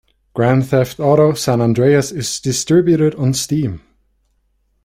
"Grand Theft Auto: San Andreas" is distributed on Steam.